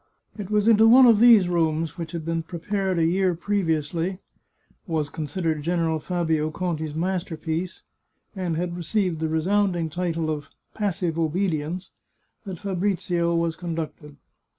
It was into one of these rooms, which had been pre pared a year previously, was considered General Fabio Conti's masterpiece, and had received the resounding title of " Passive Obedience," that Fabrizio was conducted.